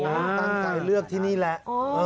ตั้งใจเลือกที่นี่แหละ